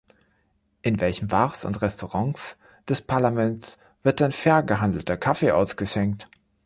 In welchen Bars und Restaurants des Parlaments wird denn fair gehandelter Kaffee ausgeschenkt?